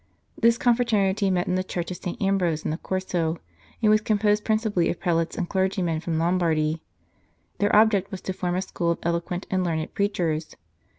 This confraternity met in the Church of St. Ambrose in the Corso, and was composed principally of prelates and clergymen from Lom bardy. Their object was to form a school of eloquent and learned preachers.